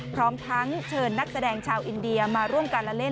พร้อมทั้งเชิญนักแสดงชาวอินเดียมาร่วมการละเล่น